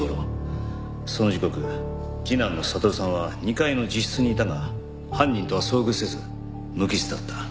その時刻次男の悟さんは２階の自室にいたが犯人とは遭遇せず無傷だった。